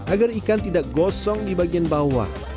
agar ikan tidak gosong di bagian bawah